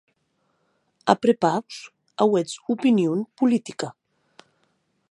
A prepaus, auètz opinon politica?